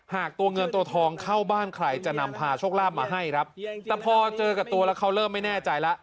หากตัวเงินตัวทองเข้าบ้านใครจะนำพาโชคลาภมาให้ครับแต่พอเจอกับตัวแล้วเขาเริ่มไม่แน่ใจแล้ว